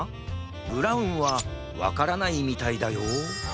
ブラウンはわからないみたいだよ